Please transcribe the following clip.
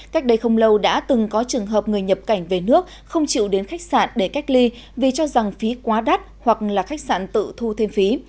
cách đây không lâu đã từng có trường hợp người nhập cảnh về nước không chịu đến khách sạn để cách ly vì cho rằng phí quá đắt hoặc là khách sạn tự thu thêm phí